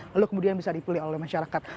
lalu kemudian bisa dipilih oleh masyarakat